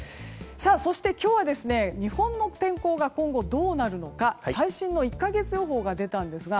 そして今日は日本の天候が今後どうなるのか最新の１か月予報が出たんですが。